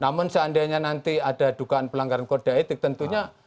namun seandainya nanti ada dugaan pelanggaran kode etik tentunya